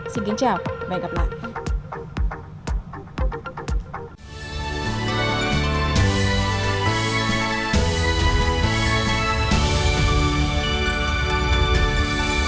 xin kính chào và hẹn gặp lại